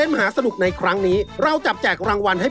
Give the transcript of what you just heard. ทศเสียราชาจอมกุมพันธ์